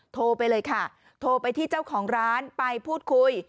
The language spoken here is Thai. โทรไปเลยค่ะโทรไปที่เจ้าของร้านไปพูดคุย